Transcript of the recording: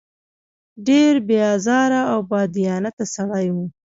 ډېر بې آزاره او بادیانته سړی و.